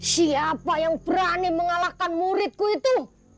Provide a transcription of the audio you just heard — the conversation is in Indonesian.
siapa yang berani mengalahkan muridku itu loh